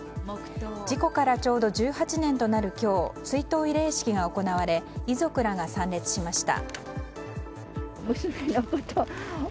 事故からちょうど１８年となる今日追悼慰霊式が行われ遺族らが参列しました。